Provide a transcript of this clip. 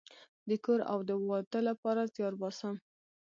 د کور او د واده لپاره زیار باسم